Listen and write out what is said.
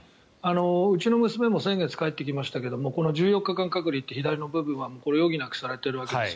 うちの娘も先月帰ってきましたけどこの１４日間隔離って左の部分は余儀なくされているわけです。